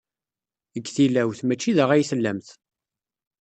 Deg tilawt, maci da ay tellamt.